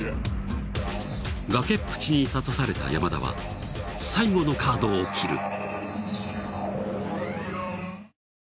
崖っぷちに立たされた山田は最後のカードを切る！